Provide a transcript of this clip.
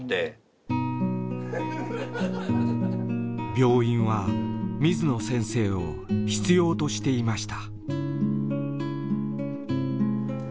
病院は水野先生を必要としていました。